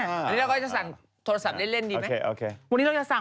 ตรงนี้เราก็จะสั่งโทรศัพท์เล่นดีมั้ย